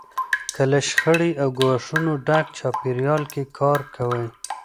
که له شخړې او ګواښونو ډک چاپېریال کې کار کوئ.